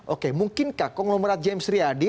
oke mungkinkah konglomerat james riyadi